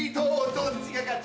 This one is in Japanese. どっちが勝つ？